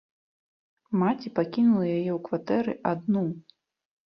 Маці пакінула яе ў кватэры адну.